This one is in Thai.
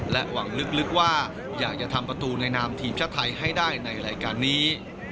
หวังลึกว่าอยากจะทำประตูในนามทีมชาติไทยให้ได้ในรายการนี้